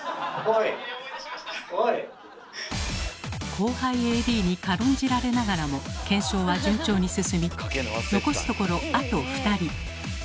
後輩ＡＤに軽んじられながらも検証は順調に進み残すところあと２人。